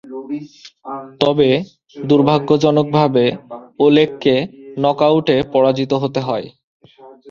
তবে, দুর্ভাগ্যজনকভাবে ওলেগকে নকআউটে পরাজিত হতে হয়।